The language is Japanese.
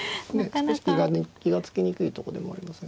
少し気が付きにくいとこでもありますが。